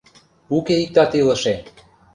Уке иктат илыше!